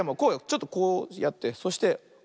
ちょっとこうやってそしておとす。